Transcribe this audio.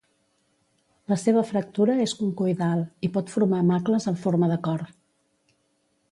La seva fractura és concoidal i pot formar macles en forma de cor.